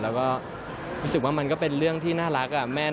แล้วก็รู้สึกว่ามันก็เป็นเรื่องที่น่ารัก